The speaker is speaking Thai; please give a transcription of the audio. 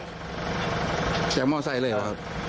เสียงมอไซค์เลยเหรอครับ